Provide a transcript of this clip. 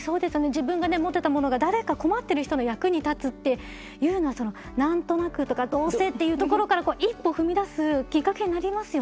自分が持ってたものが誰か困ってる人の役に立つっていうのはなんとなくとかどうせっていうところから一歩踏み出すきっかけになりますよね。